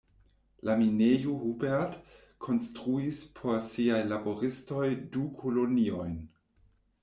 La minejo Hubert konstruis por siaj laboristoj du koloniojn.